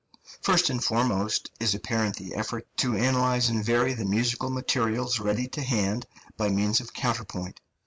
First and foremost is apparent the effort to analyse and vary the musical materials ready to hand by means of counterpoint.